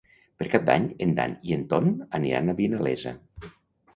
Per Cap d'Any en Dan i en Ton aniran a Vinalesa.